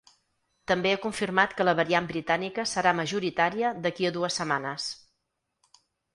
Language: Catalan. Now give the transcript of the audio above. També ha confirmat que la variant britànica serà majoritària d’aquí a dues setmanes.